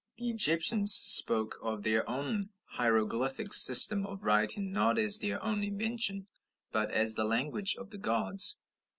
The Egyptians spoke of their hieroglyphic system of writing not as their own invention, but as "the language of the gods."